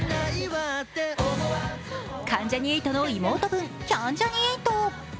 関ジャニ∞の妹分キャンジャニ∞。